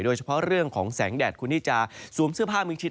โดยเฉพาะเรื่องของแสงแดดคุณที่จะสวมเสื้อผ้ามิงชิด